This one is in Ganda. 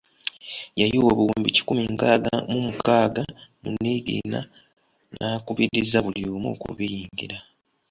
Yayiwa obuwumbi kikumi nkaaga mu mukaaga mu niigiina n’akubiriza buli omu okubiyingira.